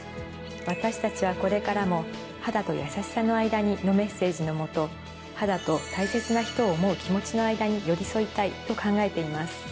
私たちはこれからも「肌とやさしさのあいだに。」のメッセージの下肌と大切な人を思う気持ちのあいだに寄り添いたいと考えています。